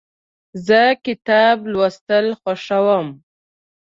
زه کتاب لوستل خوښوم.